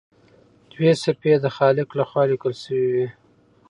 دوه صفحې یې د خالق لخوا لیکل شوي وي.